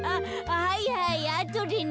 はいはいあとでね。